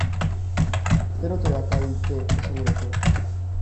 Zer ote da kalte esanguratsua?